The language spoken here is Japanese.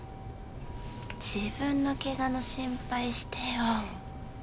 自分のケガの心配してよ